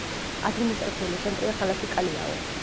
ადმინისტრაციული ცენტრია ქალაქი კალიაო.